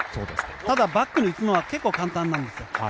ただ、バックに打つのは結構簡単なんです。